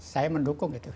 saya mendukung itu